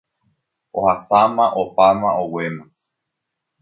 Ohasáma, opáma, oguéma.